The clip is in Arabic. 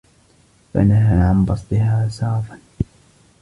فَنَهَى عَنْ بَسْطِهَا سَرَفًا